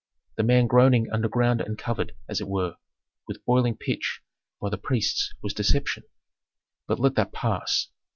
The man groaning underground and covered, as it were, with boiling pitch by the priests was deception. But let that pass.